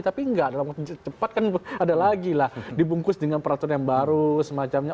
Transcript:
tapi enggak dalam waktu cepat kan ada lagi lah dibungkus dengan peraturan yang baru semacamnya